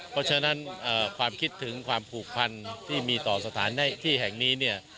เพราะฉะนั้นความคิดถึงความผูกพันที่มีต่อสถานที่แห่งนี้เนี่ย